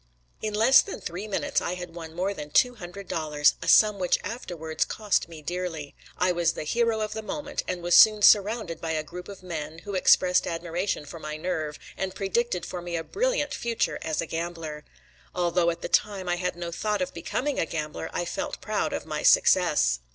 In less than three minutes I had won more than two hundred dollars, a sum which afterwards cost me dearly. I was the hero of the moment and was soon surrounded by a group of men who expressed admiration for my "nerve" and predicted for me a brilliant future as a gambler. Although at the time I had no thought of becoming a gambler, I felt proud of my success.